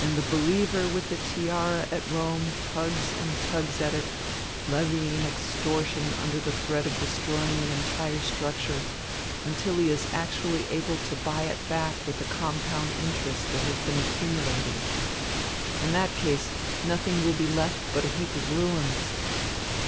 And the believer with the tiara at Rome tugs and tugs at it, levying extortion under the threat of destroying the entire structure; until he is actually able to buy it back with the compound interest that has been accumulating. In that case nothing will be left but a heap of ruins.